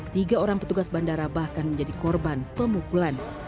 tiga orang petugas bandara bahkan menjadi korban pemukulan